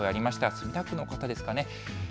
墨田区の方ですかね。